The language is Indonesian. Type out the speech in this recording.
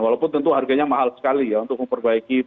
walaupun tentu harganya mahal sekali ya untuk memperbaiki